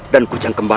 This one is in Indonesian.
dan kucang kembali